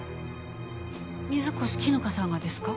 水越絹香さんがですか？